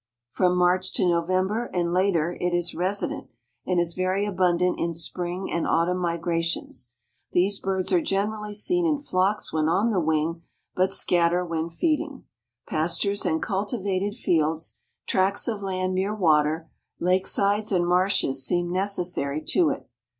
From March to November, and later, it is resident, and is very abundant in spring and autumn migrations. These birds are generally seen in flocks when on the wing, but scatter when feeding. Pastures and cultivated fields, tracts of land near water, lakesides and marshes seem necessary to it.